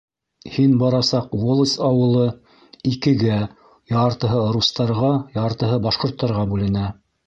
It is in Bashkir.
Һин барасаҡ волость ауылы икегә — яртыһы рустарға, яртыһы башҡорттарға бүленә.